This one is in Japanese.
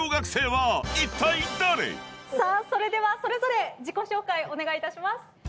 それではそれぞれ自己紹介お願いいたします。